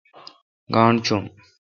گاݨڈ چوم۔